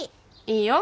いいよ。